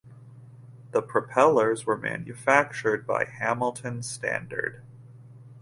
The propellers were manufactured by Hamilton Standard.